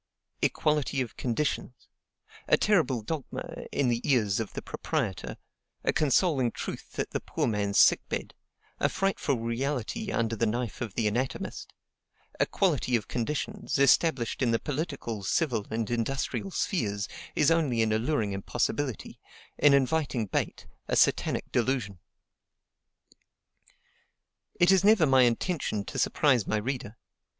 Equality of conditions, a terrible dogma in the ears of the proprietor, a consoling truth at the poor man's sick bed, a frightful reality under the knife of the anatomist, equality of conditions, established in the political, civil, and industrial spheres, is only an alluring impossibility, an inviting bait, a satanic delusion. It is never my intention to surprise my reader.